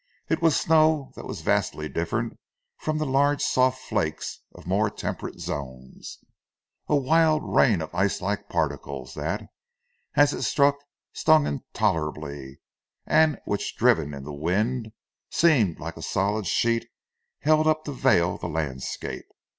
It was snow that was vastly different from the large soft flakes of more temperate zones a wild rain of ice like particles that, as it struck, stung intolerably, and which, driven in the wind, seemed like a solid sheet held up to veil the landscape.